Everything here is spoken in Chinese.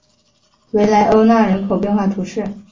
维莱欧讷人口变化图示